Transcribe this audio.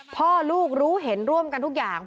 พ่อลูกรู้เห็นร่วมกันทุกอย่าง